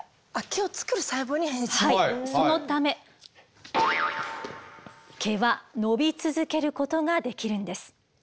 そのため毛は伸び続けることができるんです。